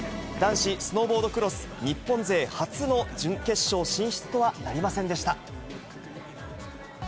男子スノーボードクロス、日本勢初の準決勝進出とはなりませんでした。